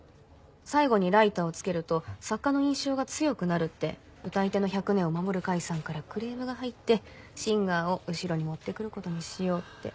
最後にライターを付けると作家の印象が強くなるって歌い手の百年を守る会さんからクレームが入ってシンガーを後ろに持って来ることにしようって。